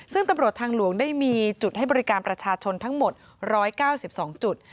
ซึ่งตำรวจทางหลวงได้มีจุดให้บริการประชาชนทั้งหมด๑๙๒จุด